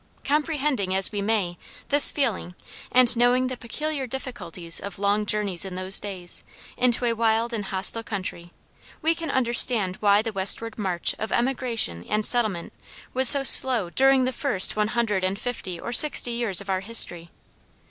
Comprehending, as we may, this feeling, and knowing the peculiar difficulties of long journeys in those days, into a wild and hostile country, we can understand why the westward march of emigration and settlement was so slow during the first one hundred and fifty or sixty years of our history.